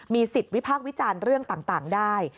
สิทธิ์วิพากษ์วิจารณ์เรื่องต่างได้